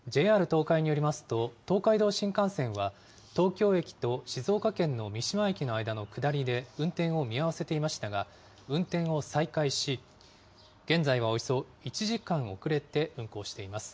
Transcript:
ＪＲ東海によりますと、東海道新幹線は、東京駅と静岡県の三島駅の間の下りで運転を見合わせていましたが、運転を再開し、現在はおよそ１時間遅れて運行しています。